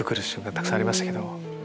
たくさんありましたけど。